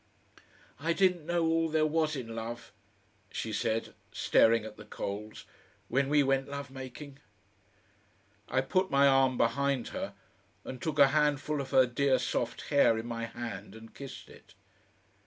"I didn't know all there was in love," she said, staring at the coals, "when we went love making." I put my arm behind her and took a handful of her dear soft hair in my hand and kissed it.